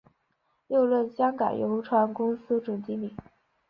又任香港邮船公司总经理。